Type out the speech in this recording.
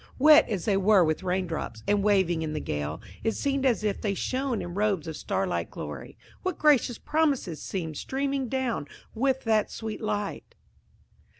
Wet as they were with rain drops, and waving in the gale, it seemed as if they shone in robes of starlight glory. What gracious promises seemed streaming down with that sweet light!